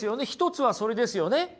１つはそれですよね。